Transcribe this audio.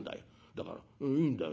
だからいいんだよ。